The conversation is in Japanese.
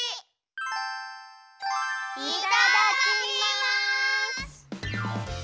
いただきます！